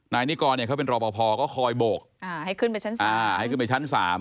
นายนิกรเขาเป็นรอปภก็คอยโบกให้ขึ้นไปชั้น๓